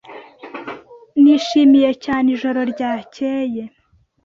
Nishimiye cyane ijoro ryakeye.